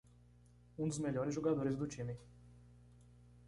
Um dos melhores jogadores do time.